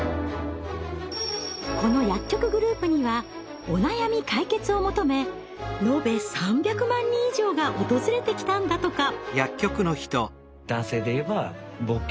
この薬局グループにはお悩み解決を求めのべ３００万人以上が訪れてきたんだとか。